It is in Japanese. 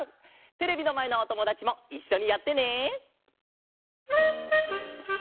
テレビのまえのおともだちもいっしょにやってね！